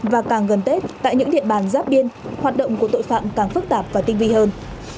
và càng gần tết tại những địa bàn giáp biên hoạt động của tội phạm càng phức tạp và tinh vi hơn